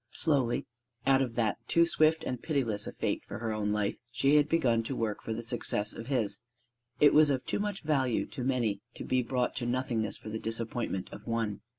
Slowly out of that too swift and pitiless a fate for her own life, she had begun to work for the success of his: it was of too much value to many to be brought to nothingness for the disappointment of one.